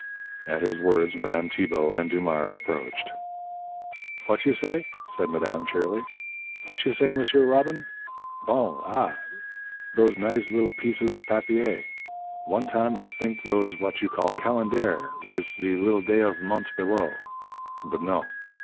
At his words, Madame Tibault and Dumars approached. "H'what you say?" said madame, cheerily. "H'what you say, M'sieur Robbin? Bon! Ah! those nize li'l peezes papier! One tam I think those w'at you call calendair, wiz ze li'l day of mont' below. But, no.